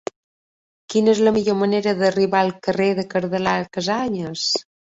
Quina és la millor manera d'arribar al carrer del Cardenal Casañas?